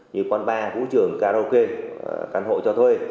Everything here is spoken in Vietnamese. như quán bar vũ trường karaoke căn hộ cho thuê